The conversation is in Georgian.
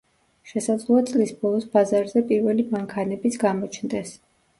შესაძლოა წლის ბოლოს, ბაზარზე პირველი მანქანებიც გამოჩნდეს.